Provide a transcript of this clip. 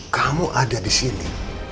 kamu ada di sini